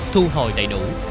thu hồi đầy đủ